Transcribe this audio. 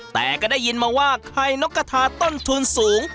แต่ก็ได้ยินมาว่าไข่นกกระทาต้นทุนสูง